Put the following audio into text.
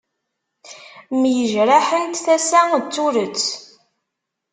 Myejraḥent tasa d turet.